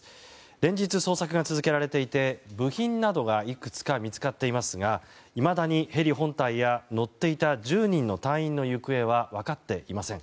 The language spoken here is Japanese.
連日、捜索が続けられていて部品などがいくつか見つかっていますがいまだにヘリ本体や乗っていた１０人の隊員の行方が分かっていません。